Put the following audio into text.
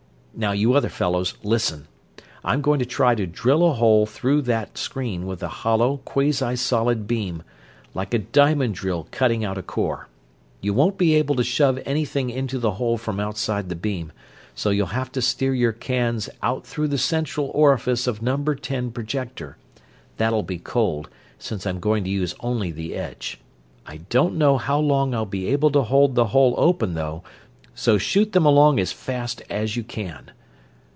Now, you other fellows, listen! I'm going to try to drill a hole through that screen with a hollow, quasi solid beam: like a diamond drill cutting out a core. You won't be able to shove anything into the hole from outside the beam, so you'll have to steer your cans out through the central orifice of number ten projector that'll be cold, since I'm going to use only the edge. I don't know how long I'll be able to hold the hole open, though so shoot them along as fast as you can.